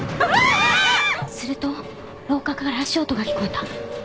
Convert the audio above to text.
すると廊下から足音が聞こえた。